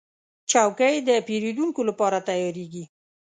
چوکۍ د پیرودونکو لپاره تیارېږي.